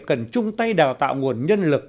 cần chung tay đào tạo nguồn nhân lực